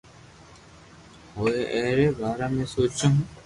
ھوئي اي ري بارا ۾ سوچو ھونن